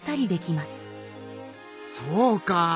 そうか。